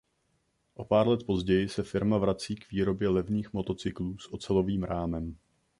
O pár let později se firma vrací k výrobě levných motocyklů s ocelovým rámem.